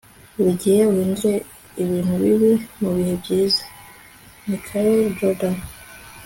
buri gihe uhindure ibintu bibi mubihe byiza. - michael jordan